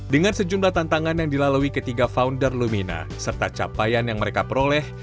dengan sejumlah tantangan yang dilalui ketiga founder lumina serta capaian yang mereka peroleh